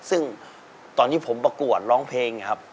ซึ่งตอนที่ผมประกวดร้องเพลงนะครับ